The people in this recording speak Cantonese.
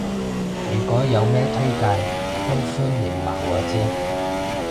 如果有咩推介都歡迎話我知